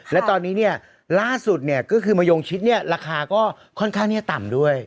แล้วตอนนี้ล่าสุดก็คือมะยวงชิ้นราคาก็ค่อนข้างนี้ต่ำด้วย